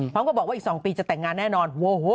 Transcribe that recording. ก็บอกว่าอีก๒ปีจะแต่งงานแน่นอน